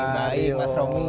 baik mas romi